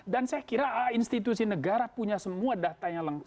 dan saya kira institusi negara punya semua datanya lengkap